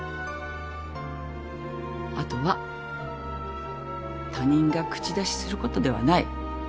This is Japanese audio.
あとは他人が口出しすることではない。